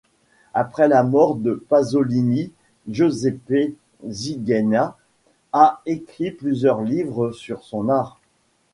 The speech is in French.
Après la mort de Pasolini, Giuseppe Zigaina a écrit plusieurs livres sur son art.